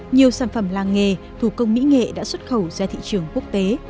nhiều sản phẩm làng nghề thủ công mỹ nghệ đã xuất khẩu ra thị trường quốc tế